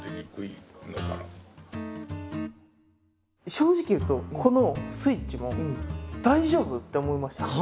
正直言うとこの「ＳＷＩＴＣＨ」も大丈夫？って思いました私は。